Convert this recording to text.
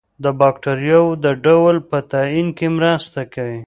د باکتریاوو د ډول په تعین کې مرسته کوي.